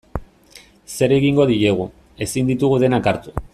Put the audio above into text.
Zer egingo diegu, ezin ditugu denak hartu.